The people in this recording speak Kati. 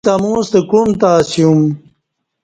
یݩستہ امو ستہ کعوم تہ اسیوم